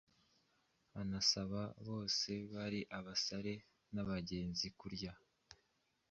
anasaba bose ari abasare n’abagenzi kurya